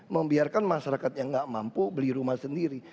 membiarkan masyarakat yang nggak mampu beli rumah sendiri